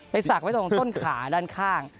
สักไว้ตรงต้นขาด้านข้าง